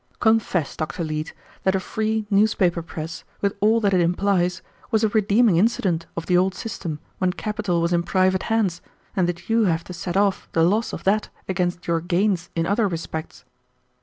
Confess, Dr. Leete, that a free newspaper press, with all that it implies, was a redeeming incident of the old system when capital was in private hands, and that you have to set off the loss of that against your gains in other respects."